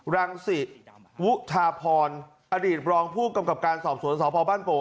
รังสิวุธาพรอดีตรองผู้กำกับการสอบสวนสพบ้านโป